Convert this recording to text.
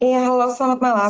ya halo selamat malam